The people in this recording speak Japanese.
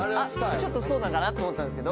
ちょっとそうかなと思ったんですけど。